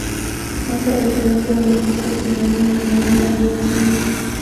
Mwaka elfu moja mia tisa themanini na nane alihitimu